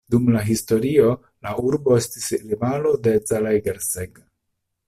Dum la historio la urbo estis rivalo de Zalaegerszeg.